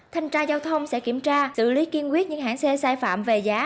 thanh tra giao thông sẽ kiểm tra xử lý kiên quyết những hãng xe sai phạm về giá